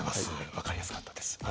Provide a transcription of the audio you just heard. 分かりやすかったです。